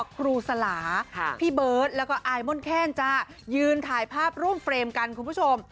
ครูสลาพี่เบิร์ตแล้วก็อายม่อนแคนจ้ายืนถ่ายภาพร่วมเฟรมกันคุณผู้ชม